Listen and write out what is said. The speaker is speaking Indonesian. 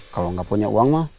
kalau nggak punya uang mah